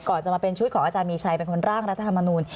จะมาเป็นชุดของอาจารย์มีชัยเป็นคนร่างรัฐธรรมนูล